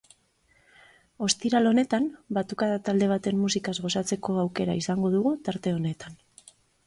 Ostiral honetan, batukada talde baten musikaz gozatzeko aukera izango dugu tarte honetan.